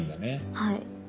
はい。